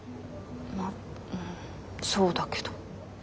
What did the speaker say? まあそうだけど。